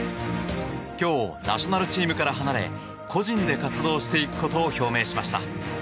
今日、ナショナルチームから離れ個人で活動していくことを表明しました。